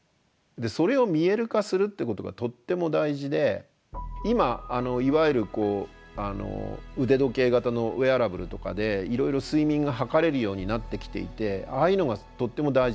それを見える化するってことがとっても大事で今いわゆる腕時計型のウェアラブルとかでいろいろ睡眠が測れるようになってきていてああいうのがとっても大事なんですけど。